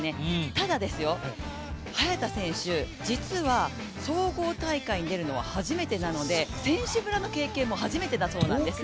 ただ早田選手、実は総合大会に出るのは初めてなので選手村の経験も初めてだそうなんですね。